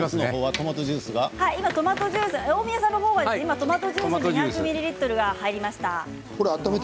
大宮さんの方は今トマトジュース２００ミリリットルが入りました。